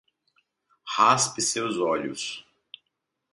Raspe seus olhos